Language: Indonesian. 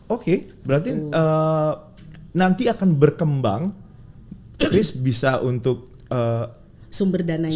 oke berarti nanti akan berkembang risk bisa untuk sumber dananya